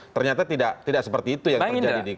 ternyata tidak seperti itu yang terjadi